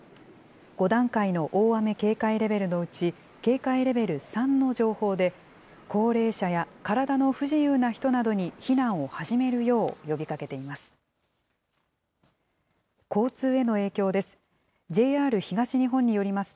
５段階の大雨警戒レベルのうち、警戒レベル３の情報で、高齢者や体の不自由な人などに避難を始めるよう呼びかけています。